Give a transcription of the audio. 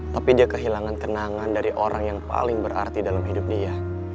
tapi dia kehilangan kenangan dari orang yang paling berarti dalam hidup dia